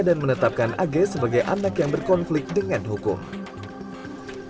dan menetapkan alih kasus penganiayaan yang diperlukan oleh anak pengerus gp ansor david ozora